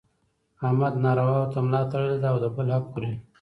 احمد نارواوو ته ملا تړلې ده او د بل حق خوري.